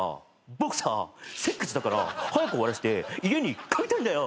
僕させっかちだから早く終わらせて家に帰りたいんだよ！